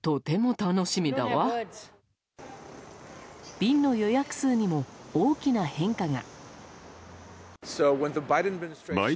便の予約数にも大きな変化が。